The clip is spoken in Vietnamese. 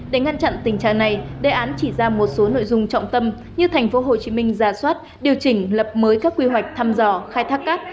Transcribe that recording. để ngăn chặn tình trạng này đề án chỉ ra một số nội dung trọng tâm như tp hcm ra soát điều chỉnh lập mới các quy hoạch thăm dò khai thác cát